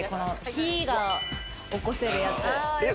火が起こせるやつ。